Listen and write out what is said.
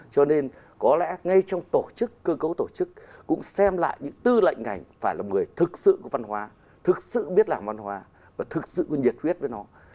cho nên có lẽ ngay trong tổ chức cơ cấu tổ chức cũng xem lại những tư lệnh ngành phải là người thực sự có văn hóa thực sự biết làm văn hóa và thực sự có nhiệt huyết với nó